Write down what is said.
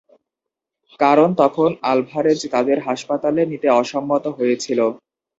কারণ তখন আলভারেজ তাদের হাসপাতালে নিতে অসম্মত হয়েছিল।